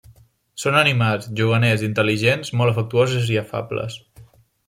Són animats, juganers, intel·ligents, molt afectuosos i afables.